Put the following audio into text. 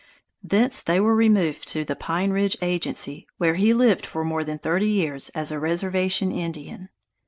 Thence they were removed to the Pine Ridge agency, where he lived for more than thirty years as a "reservation Indian."